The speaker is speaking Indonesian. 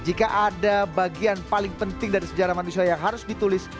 jika ada bagian paling penting dari sejarah manusia yang harus ditulis